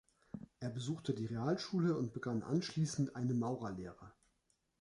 Er besuchte die Realschule und begann anschließend eine Maurerlehre.